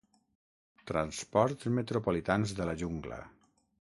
Transports Metropolitans de la Jungla.